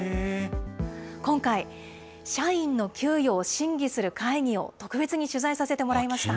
今回、社員の給与を審議する会議を特別に取材させてもらいました。